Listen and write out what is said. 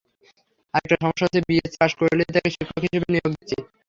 আরেকটা সমস্যা হচ্ছে, বিএসসি পাস করলেই তাঁকে শিক্ষক হিসেবে নিয়োগ দিচ্ছি।